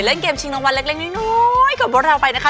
เล่นเกมชิงน้องวัลเล็กนิดน้อยกว่าโบราณไทยไปนะคะ